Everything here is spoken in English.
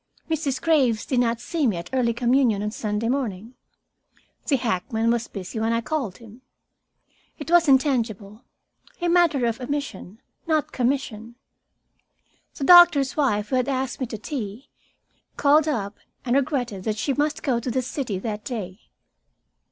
Mrs. Graves did not see me at early communion on Sunday morning. The hackman was busy when I called him. It was intangible, a matter of omission, not commission. The doctor's wife, who had asked me to tea, called up and regretted that she must go to the city that day.